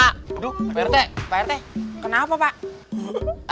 aduh pak rt pak rt kenapa pak